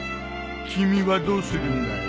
君はどうするんだい？